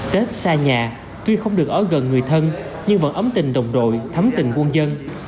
tết xa nhà tuy không được ở gần người thân nhưng vẫn ấm tình đồng đội thấm tình quân dân